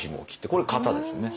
これ型ですよね。